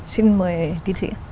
xin mời thí sĩ